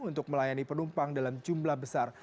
untuk melayani penumpang dalam jumlah besar